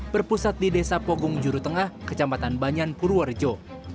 berpusat di desa pogung juru tengah kecamatan banyan purworejo